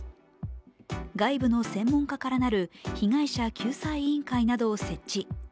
外部の専門家からなる被害者救済委員会を設置。